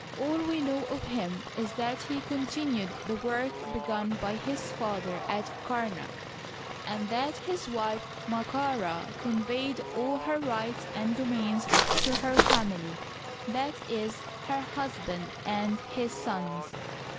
All we know of him is that he continued the work begun by his father at Kamak, and that his wife, Md'ka Rd, conveyed all her rights and domains to her family — i. e., her husband and his sons.